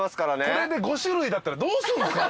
これで５種類だったらどうすんすか？